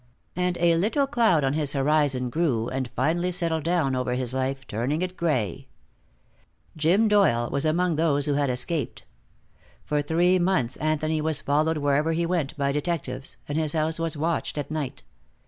And a little cloud on his horizon grew and finally settled down over his life, turning it gray. Jim Doyle was among those who had escaped. For three months Anthony was followed wherever he went by detectives, and his house was watched at night.